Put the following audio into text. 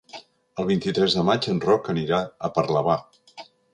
El vint-i-tres de maig en Roc anirà a Parlavà.